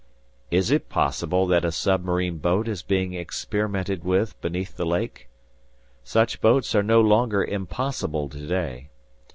"Is it possible that a submarine boat is being experimented with beneath the lake? Such boats are no longer impossible today.